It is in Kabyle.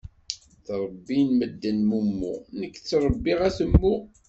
Ttrebbin medden mummu, nekk ttrebbiɣ atemmu.